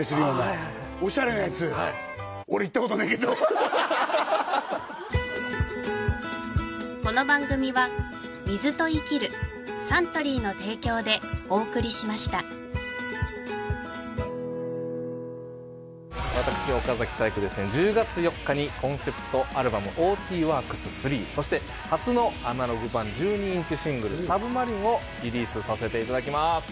はいはいはいオシャレなやつ俺行ったことねえけど私岡崎体育ですね１０月４日にコンセプトアルバム「ＯＴＷＯＲＫＳⅢ」そして初のアナログ盤１２インチシングル「サブマリン」をリリースさせていただきます